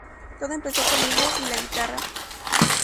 Todo empezó conmigo y la guitarra.